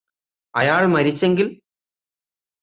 അയാള് മരിച്ചെങ്കില്